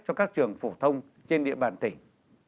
cho các trường phổ thông trên địa bàn tỉnh